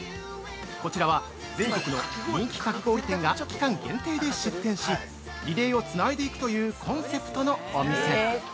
こちらは、全国の人気かき氷店が期間限定で出店しリレーをつないでいくというコンセプトのお店。